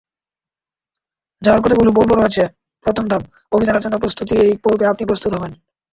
যার কতগুলো পর্ব রয়েছে—প্রথম ধাপ—অভিযানের জন্য প্রস্তুতিএই পর্বে আপনি প্রস্তুত হবেন।